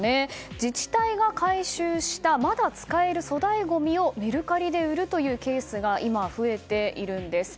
自治体が回収したまだ使える粗大ごみをメルカリで売るというケースが今、増えているんです。